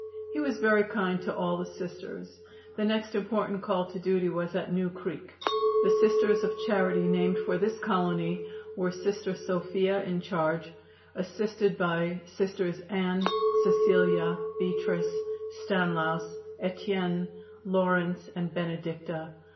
He was very kind to all the Sisters. The next important call to duty was at New Creek. The Sisters of Charity named for this colony were Sister Sophia, in charge, assisted by Sisters Ann, Cecelia, Beatrice, Stainlaus, Etienne, Laurence and Benedicta.